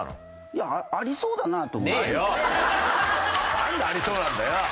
なんでありそうなんだよ。